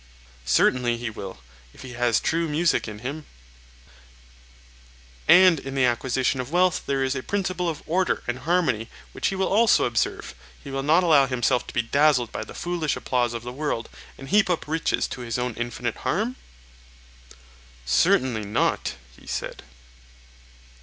Certainly he will, if he has true music in him. And in the acquisition of wealth there is a principle of order and harmony which he will also observe; he will not allow himself to be dazzled by the foolish applause of the world, and heap up riches to his own infinite harm? Certainly not, he said.